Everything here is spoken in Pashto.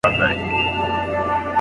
هغوی له خطر منلو څخه نه وېرېږي.